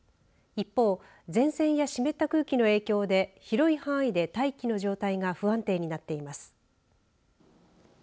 一方、前線や湿った空気の影響で広い範囲で大気の状態が不安定になっています。